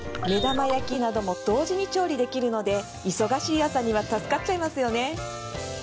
目玉焼きなども同時に調理できるので忙しい朝には助かっちゃいますよね